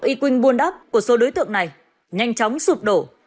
ý quỳnh buôn đắp của số đối tượng này nhanh chóng sụp đổ